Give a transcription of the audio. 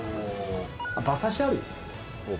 馬刺しあるよ。